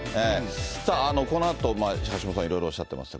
さあ、このあと橋下さん、いろいろおっしゃってます。